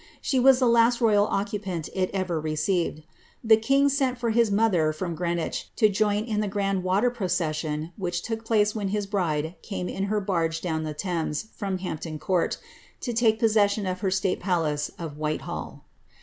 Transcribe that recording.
She was the last royal occupant it ever received. The king sent fur his mother from Greenwich, to join in the gnMl water procession which took place when his bride came in her baige down the Thames, from Hampton Court, to take possession of her state palace of Whitehall.